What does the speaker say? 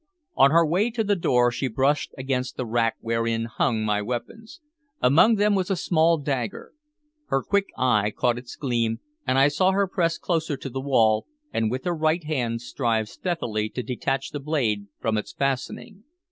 On her way to the door, she brushed against the rack wherein hung my weapons. Among them was a small dagger. Her quick eye caught its gleam, and I saw her press closer to the wall, and with her right hand strive stealthily to detach the blade from its fastening.